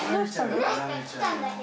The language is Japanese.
何か来たんだけど。